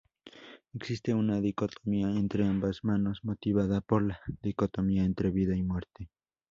Existe una dicotomía entre ambas manos, motivada por la dicotomía entre vida y muerte.